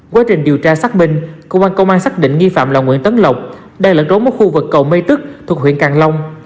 quá trình điều tra xác minh công an công an xác định nghi phạm là nguyễn tấn lộc đang lẫn rốn mất khu vực cầu mây tức thuộc huyện càng long